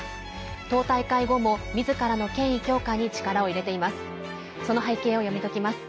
党大会後もみずからの権威強化に力を入れています。